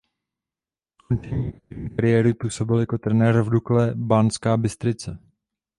Po skončení aktivní kariéry působil jako trenér v Dukle Banská Bystrica.